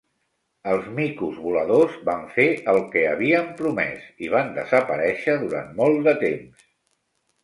Els micos voladors van fer el que havien promès i van desaparèixer durant molt de temps.